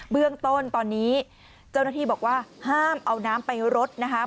เบื้องต้นตอนนี้เจ้าหน้าที่บอกว่าห้ามเอาน้ำไปรดนะคะ